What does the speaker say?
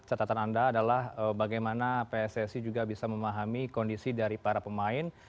catatan anda adalah bagaimana pssi juga bisa memahami kondisi dari para pemain